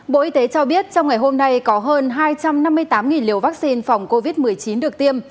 bộ y tế cho biết trong ngày hôm nay có hơn hai trăm năm mươi tám liều vaccine phòng covid một mươi chín được tiêm